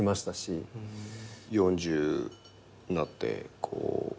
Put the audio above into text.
４０なってこう。